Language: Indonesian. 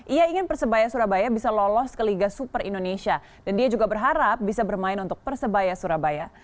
ia ingin persebaya surabaya bisa lolos ke liga super indonesia dan dia juga berharap bisa bermain untuk persebaya surabaya